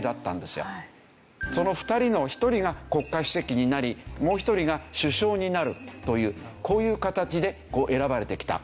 その２人の１人が国家主席になりもう１人が首相になるというこういう形で選ばれてきた。